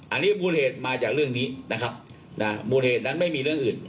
อันนี้มูลเหตุมาจากเรื่องนี้นะครับนะมูลเหตุนั้นไม่มีเรื่องอื่น